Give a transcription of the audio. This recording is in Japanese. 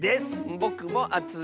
ぼくもあついです。